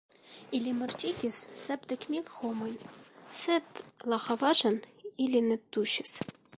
Ili mortigis sepdek mil homojn, sed la havaĵon ili ne tuŝis.